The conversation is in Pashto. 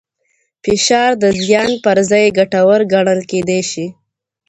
فشار د زیان پر ځای ګټور ګڼل کېدای شي.